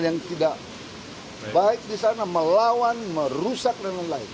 yang tidak baik di sana melawan merusak dan lain lain